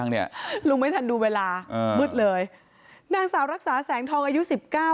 บ้านหรือยังเนี่ยลุงไม่ทันดูเวลาเออมืดเลยนางสาวรักษาแสงทองอายุสิบเก้า